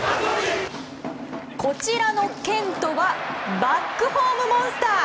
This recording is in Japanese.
こちらのケントはバックホームモンスター！